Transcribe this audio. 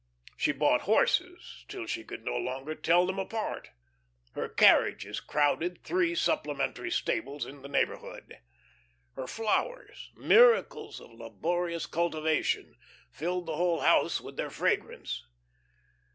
She bought horses till she could no longer tell them apart; her carriages crowded three supplementary stables in the neighbourhood. Her flowers, miracles of laborious cultivation, filled the whole house with their fragrance.